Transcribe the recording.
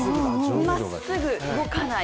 まっすぐ動かない。